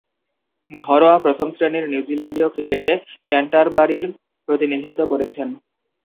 ঘরোয়া প্রথম-শ্রেণীর নিউজিল্যান্ডীয় ক্রিকেটে ক্যান্টারবারির প্রতিনিধিত্ব করেছেন।